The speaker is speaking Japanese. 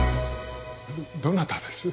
どなたです？